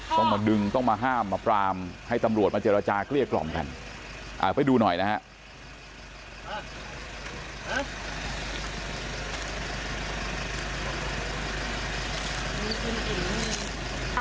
ต้องมาดึงต้องมาห้ามมาปรามให้ตำรวจมาเจรจาเกลี้ยกล่อมกันไปดูหน่อยนะครับ